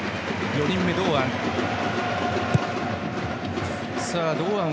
４人目は堂安。